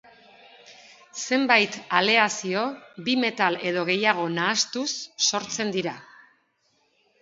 Zenbait aleazio bi metal edo gehiago nahastuz sortzen dira.